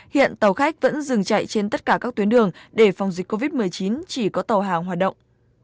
hiện tàu khách vẫn dừng chạy trên tất cả các tuyến đường để phòng dịch covid một mươi chín chỉ có tàu hàng hoạt động